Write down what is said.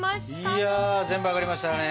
いや全部揚がりましたね。